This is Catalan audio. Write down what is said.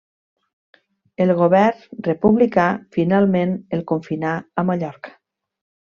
El govern republicà finalment el confinà a Mallorca.